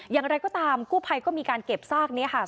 อย่างไรก็ตามกู้ภัยก็มีการเก็บซากนี้ค่ะ